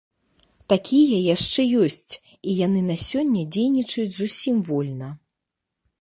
Такія яшчэ ёсць, і яны на сёння дзейнічаюць зусім вольна.